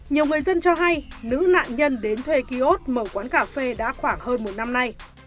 nhiều người dân cho hay nữ nạn nhân đến thuê ký ốt mở quán cà phê đã khoảng hơn một năm nay